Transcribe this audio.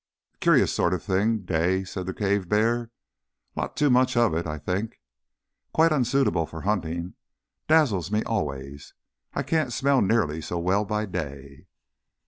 "Curious sort of thing day," said the cave bear. "Lot too much of it, I think. Quite unsuitable for hunting. Dazzles me always. I can't smell nearly so well by day."